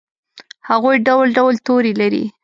هغوي ډول ډول تورې لري